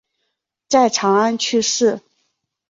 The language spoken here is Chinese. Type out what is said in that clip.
在长安去世。